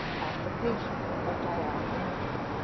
Application of Diaphanie.